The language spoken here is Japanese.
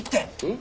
ん？